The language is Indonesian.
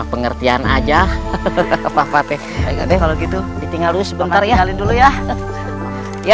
pengertian aja hahaha pak patik kalau gitu ditinggal dulu sebentar ya kali dulu ya ya